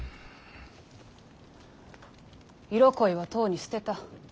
色恋はとうに捨てた。